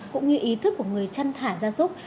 cũng như ý thức của người chăn thả ra súc